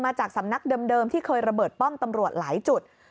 จากสำนักเดิมที่เคยระเบิดป้อมตำรวจหลายจุด